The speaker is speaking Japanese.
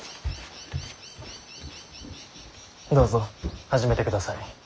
どうぞ始めてください。